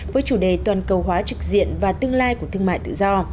với chủ đề toàn cầu hóa trực diện và tương lai của thương mại tự do